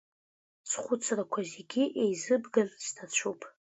Схәыцрақәа зегь еизыбган, сҭацәуп.